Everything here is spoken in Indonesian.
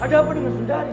ada apa dengan sundari